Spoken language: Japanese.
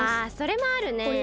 あそれもあるね。